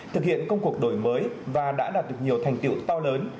thực hiện công cuộc đổi mới và đã đạt được nhiều thành tiệu to lớn